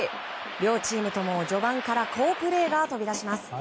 両チームとも序盤から好プレーが飛び出します。